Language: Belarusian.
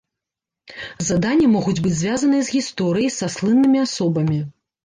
Заданні могуць быць звязаныя з гісторыяй, са слыннымі асобамі.